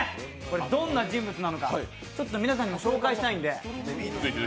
どんな人物なのか、ちょっと皆さんにも紹介したいんで。